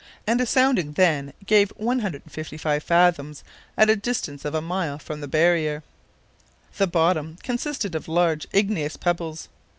and a sounding then gave 155 fathoms at a distance of a mile from the barrier. The bottom consisted of large igneous pebbles.